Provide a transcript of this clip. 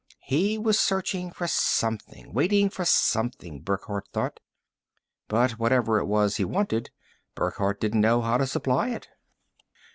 He was searching for something, waiting for something, Burckhardt thought. But whatever it was he wanted, Burckhardt didn't know how to supply it.